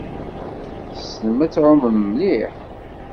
Tessnem ad tɛumem mliḥ?